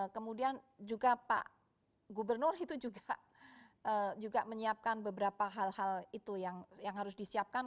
kemudian juga pak gubernur itu juga menyiapkan beberapa hal hal itu yang harus disiapkan